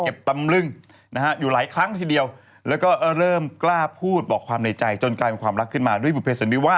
ต้องกินตัวเดียวก็จะได้พอพอจะเลื้อยไหว